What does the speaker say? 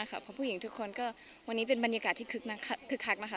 เพราะผู้หญิงทุกคนก็วันนี้เป็นบรรยากาศที่คึกคักนะคะ